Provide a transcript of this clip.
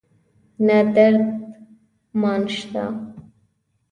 نه درد مان شته